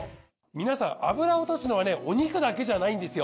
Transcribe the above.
皆さん油を落とすのはねお肉だけじゃないんですよ。